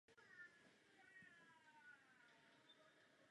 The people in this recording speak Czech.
Flotila je také skupina válečných lodí pod vedením kapitána.